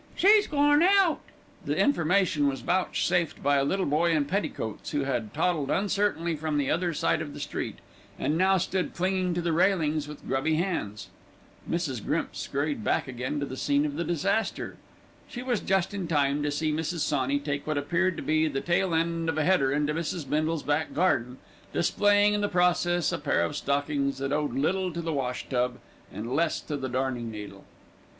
"She's gorn out." The information was vouchsafed by a little boy in petticoats, who had toddled uncertainly from the other side of the street, and now stood clinging to the railings with grubby hands. Mrs. Grimps scurried back again to the scene of disaster. She was just in time to see Mrs. Sawney take what appeared to be the tail end of a header into Mrs. Bindle's back garden, displaying in the process a pair of stockings that owed little to the wash tub, and less to the darning needle.